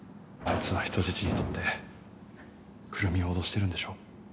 あいつは人質にとって来美を脅してるんでしょ？